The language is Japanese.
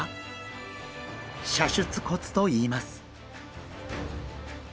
射出骨といいます。